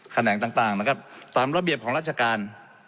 แหน่งต่างนะครับตามระเบียบของราชการ